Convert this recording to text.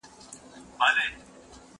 زه نان نه خورم!